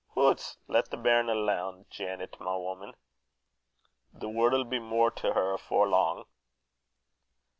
"Hoots! lat the bairn alane, Janet, my woman. The word'll be mair to her afore lang."